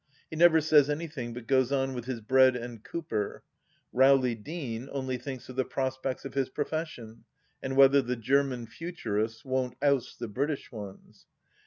He never says anything, but goes on with his bread and " Cooper." Rowley Deane only thinks of the prospects of his profession, and whether the German Futurists won't oust the British ones.